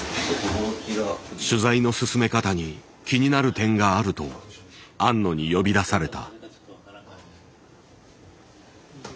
取材の進め方に気になる点があると庵野に呼び出された。